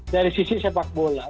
dari sisi sepak bola